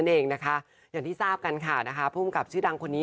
อย่างที่ทราบจากผู้กรับชื่อดังคนนี้